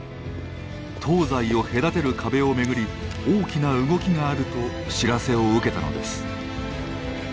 東西を隔てる壁を巡り大きな動きがあると知らせを受けたのです。